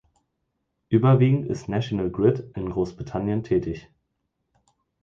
Überwiegend ist National Grid in Großbritannien tätig.